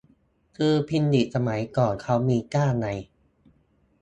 คือพิมพ์ดีดสมัยก่อนเค้ามีก้านไง